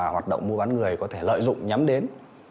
hoạt động mua bán người có thể lợi dụng nhắm đến